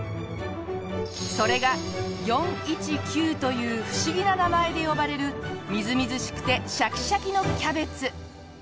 それが「４１９」という不思議な名前で呼ばれるみずみずしくてシャキシャキのキャベツ。